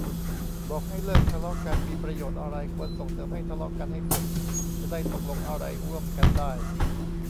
บอกให้เลิกทะเลาะกัน มีประโยชน์อะไร ควรส่งเสริมให้ทะเลาะกันให้สุด จะได้ตกลงอะไรร่วมกันได้